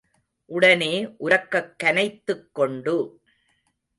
உடனே உரக்கக் கனைத்துக்கொண்டு.